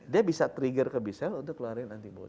dia bisa trigger ke b cell untuk ngeluarin antibody